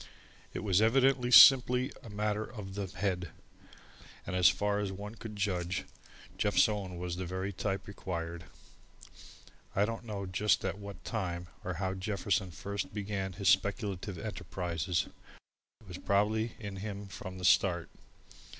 It was evidently simply a matter of the head, and as far as one could judge, Jeff's own was the very type required. I don't know just at what time or how Jefferson first began his speculative enterprises. It was probably in him from the start.